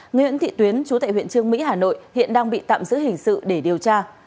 nguyễn thị tuyến chú tại huyện trương mỹ hà nội hiện đang bị tạm giữ hình sự để điều tra